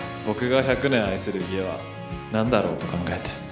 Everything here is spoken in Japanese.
僕が１００年愛せる家は何だろうと考えて。